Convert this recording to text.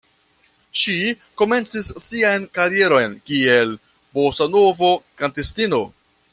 Ŝi komencis sian karieron kiel bosanovo-kantistino.